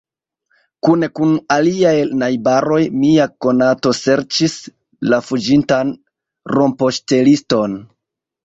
Kune kun aliaj najbaroj mia konato serĉis la fuĝintan rompoŝteliston.